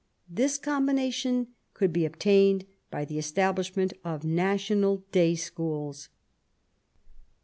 This combination could be obtained by the establishment of national day schools.